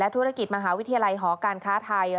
ธุรกิจมหาวิทยาลัยหอการค้าไทย